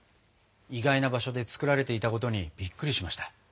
意外な場所で作られていたことにびっくりしました。